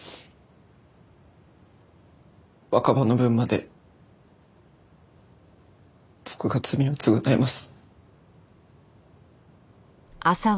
若葉の分まで僕が罪を償います。